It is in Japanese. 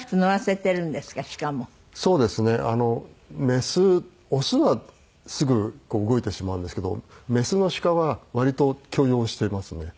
メスオスはすぐ動いてしまうんですけどメスの鹿は割と許容していますね。